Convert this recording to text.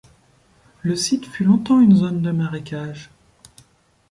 Le site fut longtemps une zone de marécage.